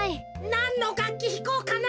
なんのがっきひこうかな。